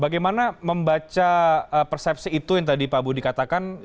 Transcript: karena membaca persepsi itu yang tadi pak budi katakan